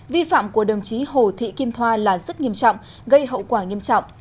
vi phạm của đồng chí hồ thị kim thoa là rất nghiêm trọng gây hậu quả nghiêm trọng